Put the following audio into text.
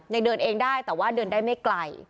ยังเดินเองได้แต่ว่าเดินได้ไม่ไกล